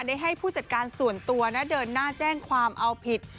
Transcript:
ได้ให้ผู้จัดการส่วนตัวเดินหน้าแจ้งความเอาผิด